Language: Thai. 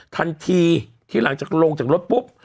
ทันทีที่หลังจากลงจากรถปุ๊บ